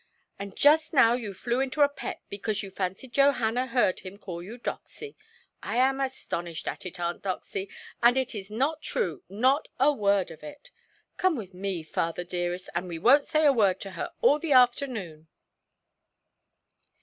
And just now you flew into a pet because you fancied Johanna heard him call you 'Doxy'. I am astonished at it, Aunt Doxy; and it is not true, not a word of it. Come with me, father, dearest, and we wonʼt say a word to her all the afternoon".